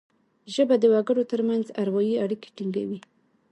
ژبه د وګړو ترمنځ اروايي اړیکي ټینګوي